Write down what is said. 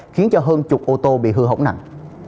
khiến hơn chục ô tô bị hư hỏng nặng